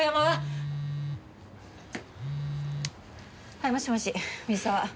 はいもしもし水沢。